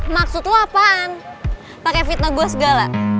maksud lo apaan pake fitnah gue segala